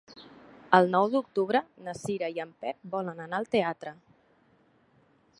El nou d'octubre na Cira i en Pep volen anar al teatre.